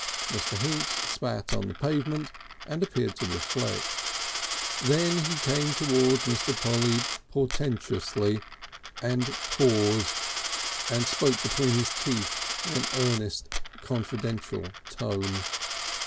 Mr. Hinks spat on the pavement and appeared to reflect. Then he came towards Mr. Polly portentously and paused, and spoke between his teeth in an earnest confidential tone.